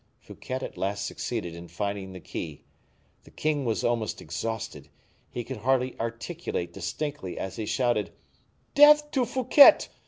Fouquet at last succeeded in finding the key. The king was almost exhausted; he could hardly articulate distinctly as he shouted, "Death to Fouquet!